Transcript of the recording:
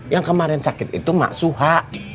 yang kemarin sakit itu mak suha